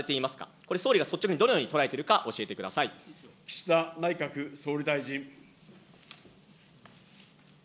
これ、総理が率直にどのように捉岸田内閣総理大臣。